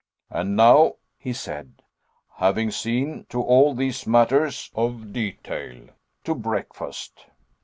"And now," he said, "having seen to all these matters of detail, to breakfast."